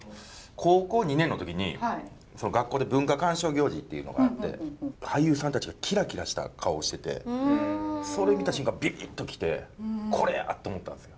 高校２年の時に学校で文化鑑賞行事っていうのがあって俳優さんたちがキラキラした顔しててそれ見た瞬間ビビッと来て「これや！」と思ったんですよ。